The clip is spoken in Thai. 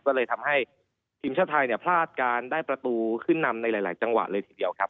ก็เลยทำให้ทีมชาติไทยเนี่ยพลาดการได้ประตูขึ้นนำในหลายจังหวะเลยทีเดียวครับ